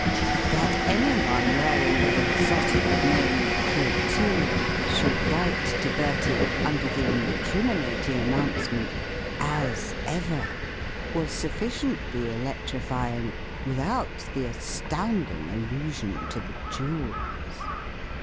That any one wearing the exotic name "Clotilde" should write to Bertie under the incriminating announcement "as ever" was sufficiently electrifying, without the astounding allusion to the jewels.